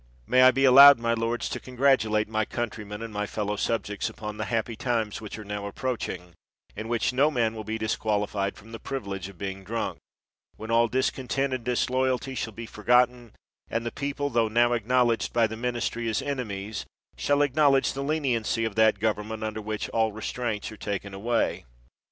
May I be allowed, my lords, to congratulate my countrymen and fellow subjects upon the happy times which are now approaching, in which no man will be disqualified from the priv ilege of being drunk; when all discontent and disloyalty shall be forgotten, and the people, tho now considered by the ministry as enemies, shall acknowledge the leniency of that govern ment under which all restraints are taken away